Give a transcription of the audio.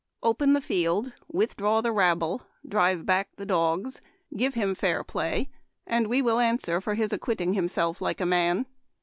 Open the field, withdraw the rabble, drive back the dogs, give him fair play, and we will answer for his acquit ting himself like a man.